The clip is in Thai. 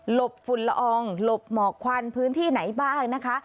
บฝุ่นละอองหลบหมอกควันพื้นที่ไหนบ้างนะคะ